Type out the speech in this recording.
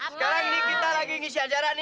sekarang ini kita lagi ngisi ajaran